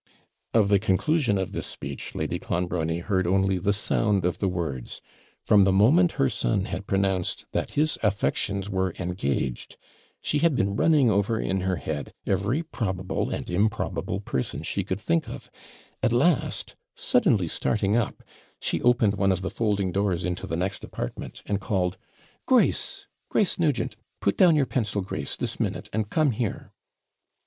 Of the conclusion of this speech, Lady Clonbrony heard only the sound of the words; from the moment her son had pronounced that his affections were engaged, she had been running over in her head every probable and improbable person she could think of; at last, suddenly starting up, she opened one of the folding doors into the next apartment, and called 'Grace! Grace Nugent! put down your pencil, Grace, this minute, and come here!'